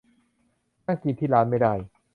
นั่งกินที่ร้านไม่ได้